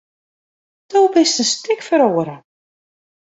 Do bist in stik feroare.